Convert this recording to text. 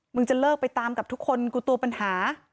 จะเลิกไปตามกับทุกคนกูตัวปัญหา